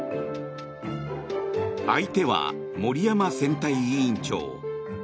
相手は森山選対委員長。